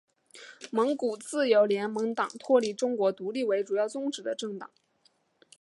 蒙古自由联盟党脱离中国独立为主要宗旨的政党。